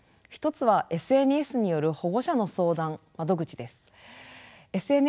一つはＳＮＳによる保護者の相談窓口です。